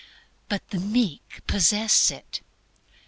But the meek possess it.